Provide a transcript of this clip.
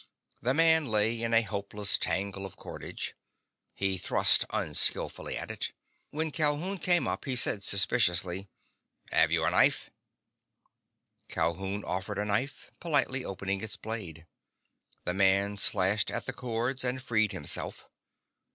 The man lay in a hopeless tangle of cordage. He thrust unskilfully at it. When Calhoun came up he said suspiciously: "Have you a knife?" Calhoun offered a knife, politely opening its blade. The man slashed at the cords and freed himself.